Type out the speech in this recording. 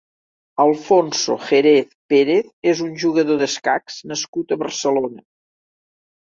Alfonso Jérez Pérez és un jugador d'escacs nascut a Barcelona.